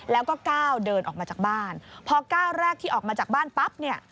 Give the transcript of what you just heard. แล้วก็ก้าวเดินออกมาจากบ้านพอก้าวแรกที่ออกมาจากบ้านปั๊บเนี่ย